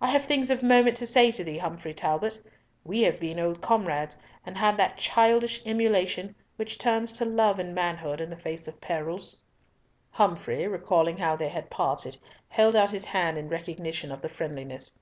"I have things of moment to say to thee, Humfrey Talbot. We have been old comrades, and had that childish emulation which turns to love in manhood in the face of perils." Humfrey, recollecting how they had parted, held out his hand in recognition of the friendliness.